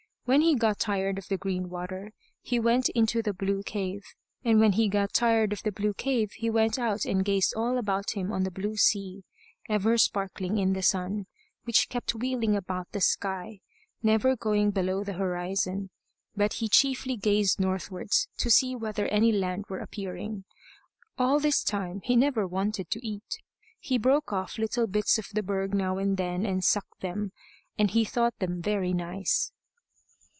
When he got tired of the green water, he went into the blue cave; and when he got tired of the blue cave he went out and gazed all about him on the blue sea, ever sparkling in the sun, which kept wheeling about the sky, never going below the horizon. But he chiefly gazed northwards, to see whether any land were appearing. All this time he never wanted to eat. He broke off little bits of the berg now and then and sucked them, and he thought them very nice.